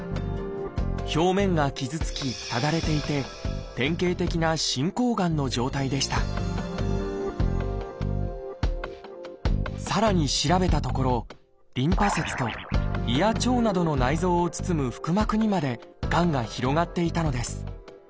表面が傷つきただれていて典型的な進行がんの状態でしたさらに調べたところリンパ節と胃や腸などの内臓を包む腹膜にまでがんが広がっていたのです。